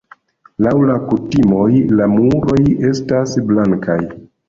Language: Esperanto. Laŭ la kutimoj la muroj estas blankaj.